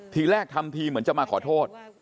ทีแรกทำทีเหมือนจะมาขอโทษ